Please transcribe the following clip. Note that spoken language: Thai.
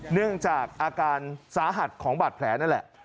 เนื่องจากอาการสาหัสของบาดแผลนั่นแหละ